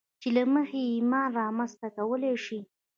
چې له مخې يې ايمان رامنځته کولای شئ.